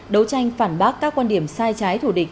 đấu tranh phản bác các quan điểm sai trái thù địch